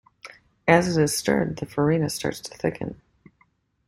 As it is stirred, the farina starts to thicken.